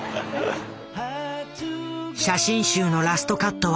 写真集のラストカットは。